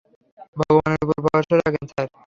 ভগবানের উপর ভরসা রাখেন, স্যার।